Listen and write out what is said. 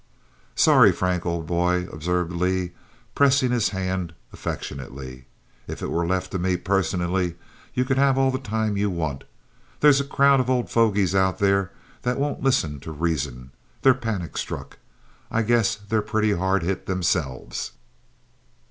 "Sorry, Frank, old boy," observed Leigh, pressing his hand affectionately. "If it were left to me personally, you could have all the time you want. There's a crowd of old fogies out there that won't listen to reason. They're panic struck. I guess they're pretty hard hit themselves.